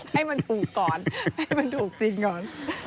ให้มันถูกจริงก่อน